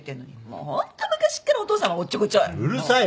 もうホント昔っからお父さんはおっちょこちょい。